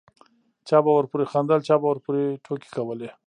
چا به ورپورې خندل چا به ورپورې ټوکې کولې.